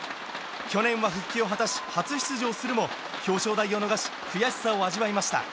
去年は復帰を果たし初出場するも表彰台を逃し悔しさを味わいました。